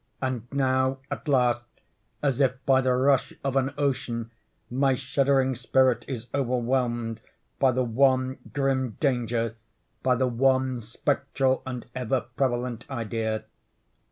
And now, at last, as if by the rush of an ocean, my shuddering spirit is overwhelmed by the one grim Danger—by the one spectral and ever prevalent idea.